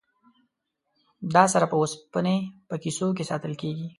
دا سره په اوسپنې په کیسو کې ساتل کیږي.